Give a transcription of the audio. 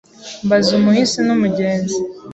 Mbaza umuhisi n’umugenzi